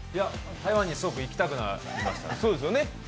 台湾にすごく行きたくなりました。